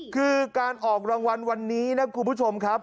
คือการออกรางวัลวันนี้นะคุณผู้ชมครับ